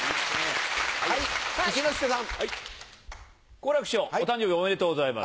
好楽師匠お誕生日おめでとうございます。